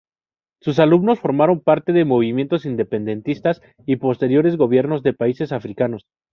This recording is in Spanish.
Sus alumnos formaron parte de movimientos independentistas y posteriores gobiernos de países africanos.